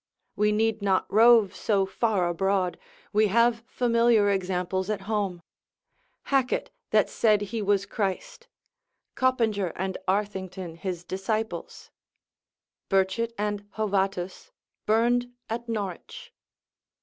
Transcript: We need not rove so far abroad, we have familiar examples at home: Hackett that said he was Christ; Coppinger and Arthington his disciples; Burchet and Hovatus, burned at Norwich.